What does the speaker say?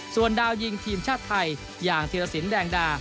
ส่วนดาวยิงทีมชาติไทยอย่างธีรสินแดงดา